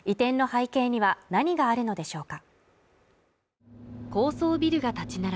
移転の背景には何があるのでしょうか